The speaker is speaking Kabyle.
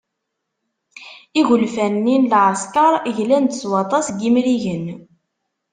Igelfan-nni n leεeskeṛ glan-d s waṭas n yimrigen.